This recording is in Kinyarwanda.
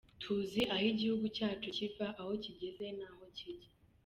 Tuzi aho igihugu cyacu kiva, aho kigeze n’aho kijya.